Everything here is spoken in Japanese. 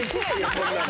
こんなの。